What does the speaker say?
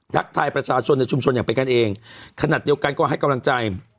ทักทายประชาชนในชุมชนอย่างเป็นกันเองขนาดเดียวกันก็ให้กำลังใจ